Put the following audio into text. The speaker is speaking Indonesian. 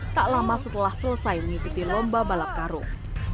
tak lama setelah selesai mengikuti lomba balap karung